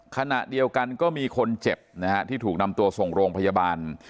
ขณะเดียวกันก็มีคนเจ็บนะฮะที่ถูกนำตัวส่งโรงพยาบาล